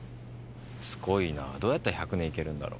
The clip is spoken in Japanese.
すごいなーどうやったら１００年いけるんだろう。